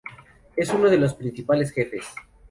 Es uno de los principales jefes.